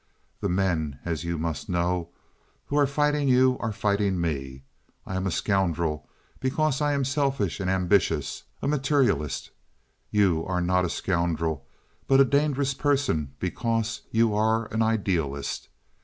The men, as you must know, who are fighting you are fighting me. I am a scoundrel because I am selfish and ambitious—a materialist. You are not a scoundrel, but a dangerous person because you are an idealist.